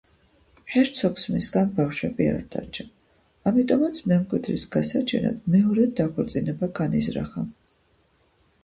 ჰერცოგს მისგან ბავშვები არ დარჩა, ამიტომაც მემკვიდრის გასაჩენად მეორედ დაქორწინება განიზრახა.